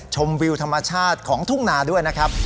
ชมวิวธรรมชาติของทุ่งนาด้วยนะครับ